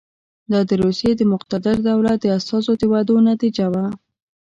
دا د روسیې د مقتدر دولت د استازو د وعدو نتیجه وه.